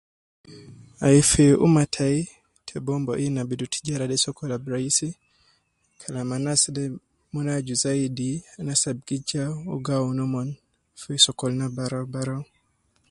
Ayi fi ummah tayi ta bombo ini abidu tijara sokol ab raisi Kalam anas de aju zaidi anas Al gi ja uwo gaawunu umon ma sokolin baraua barau